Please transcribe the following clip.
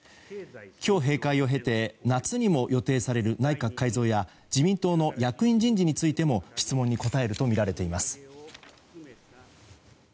今日閉会を経て夏にも予定される内閣改造や自民党の役員人事についても質問に答えるとみられています。